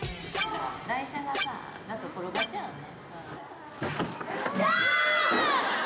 ・台車がさ転がっちゃうよね